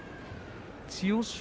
千代翔